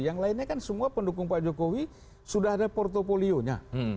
yang lainnya kan semua pendukung pak jokowi sudah ada portfolionya